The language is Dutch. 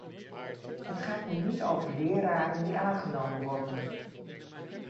Het gaat nu niet over leraren die aangenomen worden.